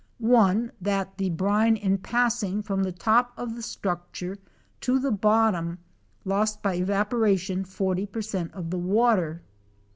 One that the brine in passing from the top of the structure to the bottom lost by evaporation 40 per cent of the water.